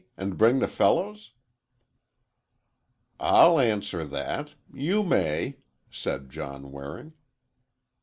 And bring the fellows?" "I'll answer that,—you may," said John Waring.